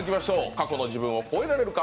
「過去の自分を超えられるか！